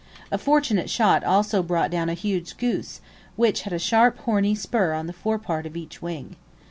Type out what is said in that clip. A fortunate shot also brought down a huge goose, which had a sharp horny spur on the fore part of each wing.